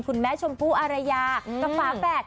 คุณแม้ชมพูอารยา